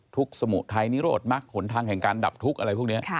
สมุทรไทยนิโรธมักหนทางแห่งการดับทุกข์อะไรพวกนี้